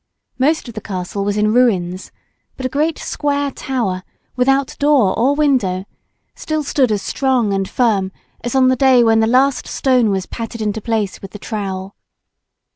Most of the castle was in ruins, but a great square tower, without door or window, still stood as strong and firm as on the day when the last stone was patted into place with the trowel.